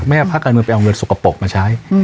ภาคการเมืองไปเอาเงินสกปรกมาใช้